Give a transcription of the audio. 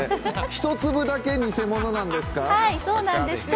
１粒だせ偽物なんですか？